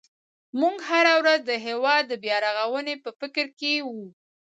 موږ هره ورځ د هېواد د بیا رغونې په فکر کې وو.